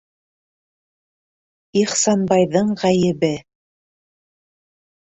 Ихсанбайҙың ғәйебе...